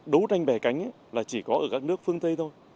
đấu tranh bè cánh là chỉ có ở các nước phương tây thôi